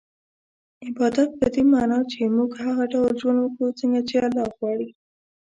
عبادت په دې مانا چي موږ هغه ډول ژوند وکړو څنګه چي الله غواړي